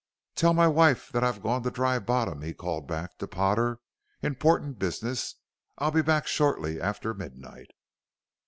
"Tell my wife that I've gone to Dry Bottom," he called back to Potter. "Important business! I'll be back shortly after midnight!"